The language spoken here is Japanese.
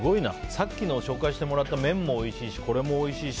さっきの紹介してもらった麺もおいしいしこれもおいしいし。